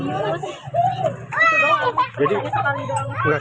itu doang sekali sekali doang